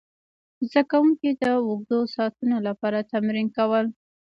زده کوونکي د اوږدو ساعتونو لپاره تمرین کول.